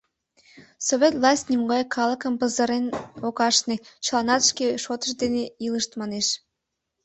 Совет власть нимогай калыкым пызырен ок ашне: чыланат шке шотышт дене илышт, манеш.